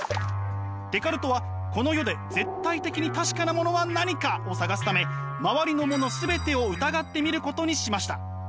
デカルトはこの世で絶対的に確かなものは何かを探すため周りのもの全てを疑ってみることにしました。